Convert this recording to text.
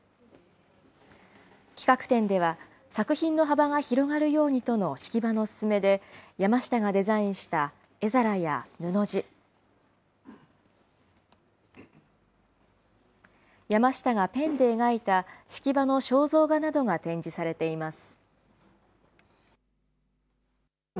企画展では、作品の幅が広がるようにとの式場の勧めで、山下がデザインした絵皿や布地、山下がペンで描いた式場の肖像画などが展示されています。